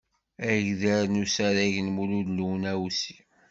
Agdal n usarag n Mulud Lunawsi.